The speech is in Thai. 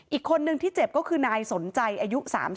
อีกคนนึงที่เจ็บก็คือนายสนใจอายุ๓๐